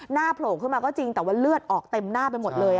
โผล่ขึ้นมาก็จริงแต่ว่าเลือดออกเต็มหน้าไปหมดเลย